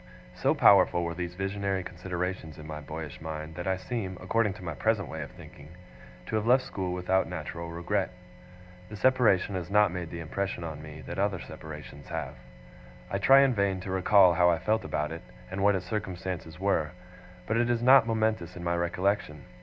So powerful were these visionary considerations in my boyish mind, that I seem, according to my present way of thinking, to have left school without natural regret. The separation has not made the impression on me, that other separations have. I try in vain to recall how I felt about it, and what its circumstances were; but it is not momentous in my recollection.